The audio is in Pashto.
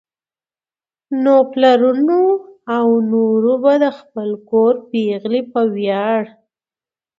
نو پلرونو او نورو به د خپل کور پېغلې په وياړ